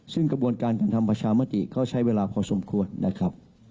ซึ่งกระบวนการการทำประชามติก็ใช้เวลาพอสมควรนะครับ